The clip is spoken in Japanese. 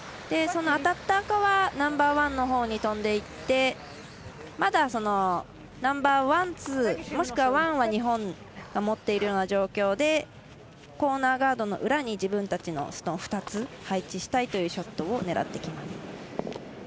その当たった赤はナンバーワンのほうにとんでいってまだ、ナンバーワン、ツーもしくはワンは日本が持っている状況でコーナーガードの裏に自分たちのストーンを２つ配置したいというショットを狙ってきます。